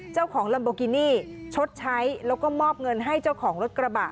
ลัมโบกินี่ชดใช้แล้วก็มอบเงินให้เจ้าของรถกระบะ